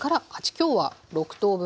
今日は６等分で。